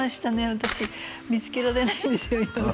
私見つけられないんですよ